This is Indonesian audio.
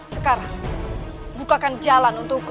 sekarang bukakan jalan untukku